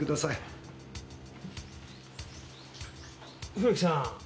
古木さん。